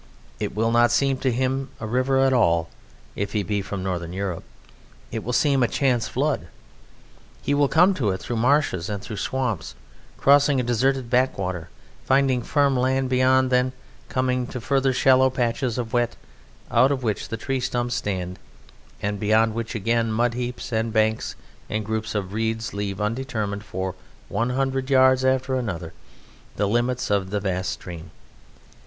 It will not seem to him a river at all (if he be from Northern Europe); it will seem a chance flood. He will come to it through marshes and through swamps, crossing a deserted backwater, finding firm land beyond, then coming to further shallow patches of wet, out of which the tree stumps stand, and beyond which again mud heaps and banks and groups of reeds leave undetermined, for one hundred yards after another, the limits of the vast stream.